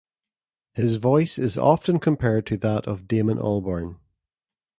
His voice is also often compared to that of Damon Albarn.